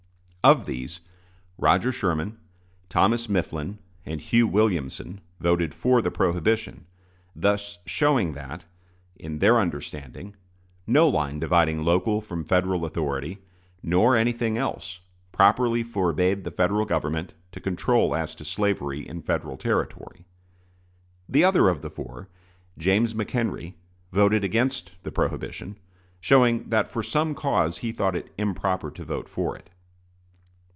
Of these, Roger Sherman, Thomas Mifflin, and Hugh Williamson voted for the prohibition, thus showing that, in their understanding, no line dividing local from Federal authority, nor anything else, properly forbade the Federal Government to control as to slavery in Federal territory. The other of the four, James McHenry, voted against the prohibition, showing that for some cause he thought it improper to vote for it.